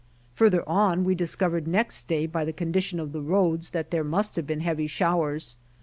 Farther on we discovered next day by the condition of the roads there must have been heavy showers.